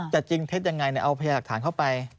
จริงเท็จยังไงเอาพยาหลักฐานเข้าไป